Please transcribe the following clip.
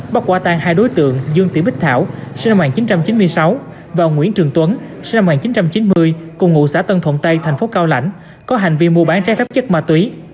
bắt quả tan hai đối tượng dương tỷ bích thảo sinh năm một nghìn chín trăm chín mươi sáu và nguyễn trường tuấn sinh năm một nghìn chín trăm chín mươi cùng ngụ xã tân thuận tây thành phố cao lãnh có hành vi mua bán trái phép chất ma túy